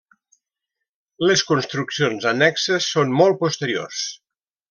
Les construccions annexes són molt posteriors.